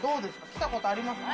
来たことありますか？